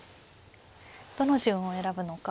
どの順を選ぶのか。